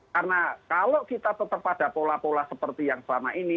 karena kalau kita tetap ada pola pola seperti yang selama ini